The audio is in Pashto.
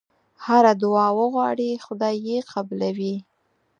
هره دعا وغواړې خدای یې قبلوي.